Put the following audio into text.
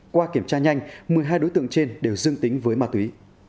qua kiểm tra nhanh một mươi hai đối tượng trên đều dương tính với ma túy